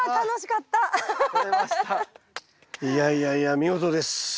いやいやいや見事です。